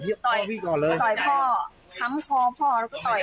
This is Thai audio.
นี่มันถือมีดออกมาด้วย